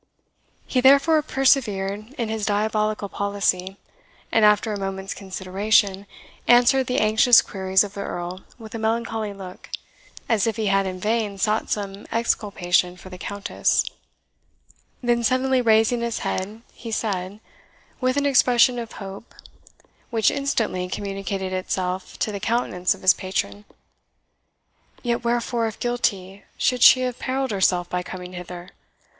He therefore persevered in his diabolical policy; and after a moment's consideration, answered the anxious queries of the Earl with a melancholy look, as if he had in vain sought some exculpation for the Countess; then suddenly raising his head, he said, with an expression of hope, which instantly communicated itself to the countenance of his patron "Yet wherefore, if guilty, should she have perilled herself by coming hither?